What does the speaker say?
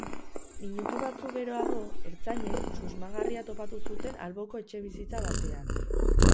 Minutu batzuk geroago, ertzainek susmagarria topatu zuten alboko etxebizitza batean.